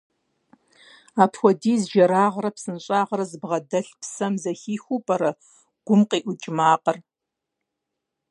Апхуэдиз жэрагърэ псынщӀагърэ зыбгъэдэлъ псэм зэхихыу пӀэрэ гум къиӀукӀ макъыр?